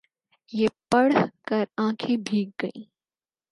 یہ پڑھ کر آنکھیں بھیگ گئیں۔